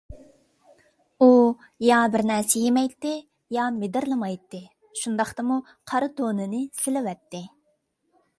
ئۇ يا بىر نەرسە يېمەيتتى، يا مىدىرلىمايتتى، شۇنداقتىمۇ قارا تونىنى سېلىۋەتتى.